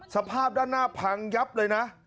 สภาพด้านหน้าพังยับเลยนะ